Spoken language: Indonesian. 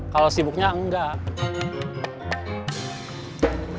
kalau sibuknya enggak